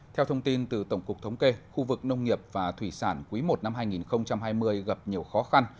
theo thông tin từ tổng cục thống kê khu vực nông nghiệp và thủy sản quý i năm hai nghìn hai mươi gặp nhiều khó khăn